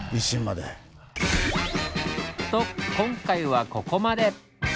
と今回はここまで！